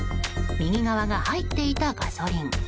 右側が、入っていたガソリン。